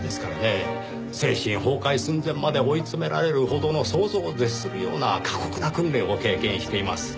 精神崩壊寸前まで追い詰められるほどの想像を絶するような過酷な訓練を経験しています。